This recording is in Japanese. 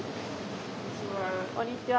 こんにちは。